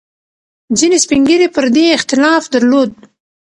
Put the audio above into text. ځینې سپین ږیري پر دې اختلاف درلود.